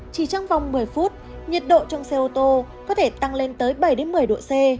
chỉ trong vòng một mươi phút nhiệt độ trong xe ô tô có thể tăng lên tới bảy một mươi độ c